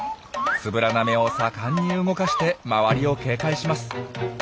つぶらな目を盛んに動かして周りを警戒します。